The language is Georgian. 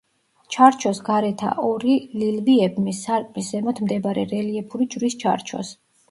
ჩარჩოს გარეთა ორი ლილვი ებმის, სარკმლის ზემოთ მდებარე რელიეფური ჯვრის ჩარჩოს.